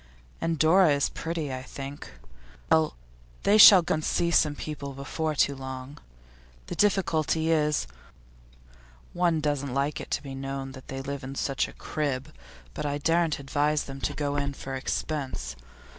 And Dora is pretty, I think. Well, they shall go and see some people before long. The difficulty is, one doesn't like it to be known that they live in such a crib; but I daren't advise them to go in for expense.